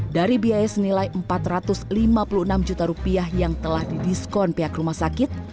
dari biaya senilai empat ratus lima puluh enam juta rupiah yang telah didiskon pihak rumah sakit